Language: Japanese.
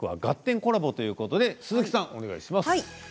コラボということで鈴木さんお願いします。